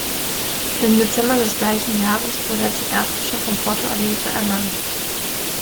Im Dezember des gleichen Jahres wurde er zum Erzbischof von Porto Alegre ernannt.